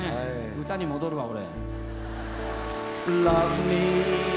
歌に戻るわ俺。